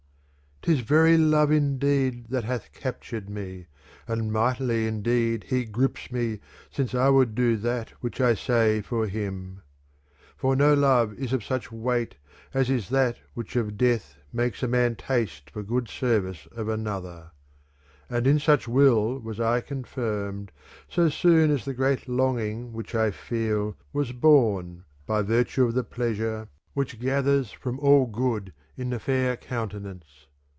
III 'Tis very love indeed that hath captured me iand mightily indeed he grips me since I would do^ t^at which I say for him. .• i. 'r For no love is of such weight as is that which or death makes a man taste for good service of another : And in such will was I confirmed So soon as the great longing which I feel was born, by virtue of the pleasure which gathers from all good 392 THE CONVIVIO Odf in the fair countenance.